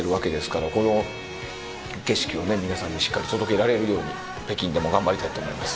この景色を皆さんにしっかり届けられるように北京でも頑張りたいと思います。